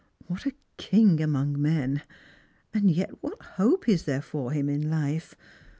What a king among men ! And yet what hope is there for him in life?